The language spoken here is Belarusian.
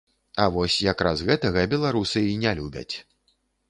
А вось якраз гэтага беларусы і не любяць.